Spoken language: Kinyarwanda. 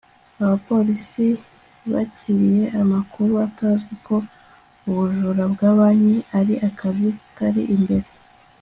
Abapolisi bakiriye amakuru atazwi ko ubujura bwa banki ari akazi kari imbere